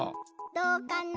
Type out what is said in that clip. どうかな？